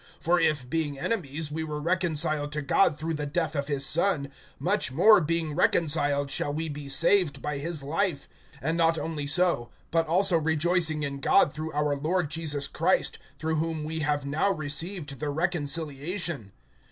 (10)For if, being enemies, we were reconciled to God through the death of his son; much more, being reconciled, shall we be saved by his life; (11)and not only so, but also rejoicing in God through our Lord Jesus Christ, through whom we have now received the reconciliation.